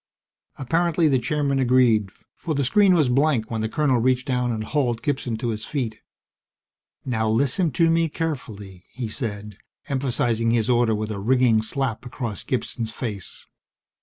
Apparently the Chairman agreed, for the screen was blank when the colonel reached down and hauled Gibson to his feet. "Now, listen to me carefully!" he said, emphasizing his order with a ringing slap across Gibson's face.